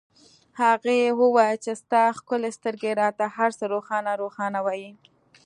هغې وویل چې ستا ښکلې سترګې راته هرڅه روښانه روښانه وایي